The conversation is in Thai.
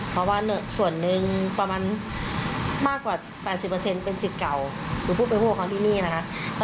เพราะว่าส่วนหนึ่งประมาณมากกว่า๘๐เป็นสิทธิ์เก่าคือผู้เป็นผู้ปกครองที่นี่นะคะ